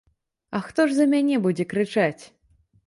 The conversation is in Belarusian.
А хто ж за мяне будзе крычаць?